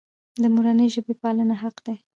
د مورنۍ ژبې پالنه حق دی.